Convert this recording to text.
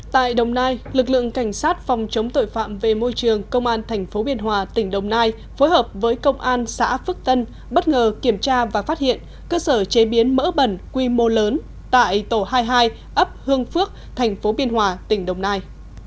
tại đồng nai lực lượng cảnh sát phòng chống tội phạm về môi trường công an tp biên hòa tỉnh đồng nai phối hợp với công an xã phước tân bất ngờ kiểm tra và phát hiện cơ sở chế biến mỡ bẩn quy mô lớn tại tổ hai mươi hai ấp hương phước tp biên hòa tỉnh đồng nai